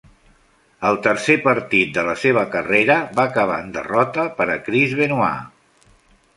El tercer partit de la seva carrera va acabar en derrota per a Chris Benoit.